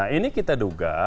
ini kita duga